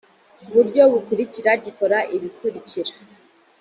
ku buryo bukurikira gikora ibikurikira